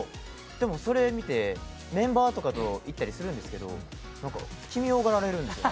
でもそれ見て、メンバーとかと行ったりするんですけどなんか奇妙がられるんですよ。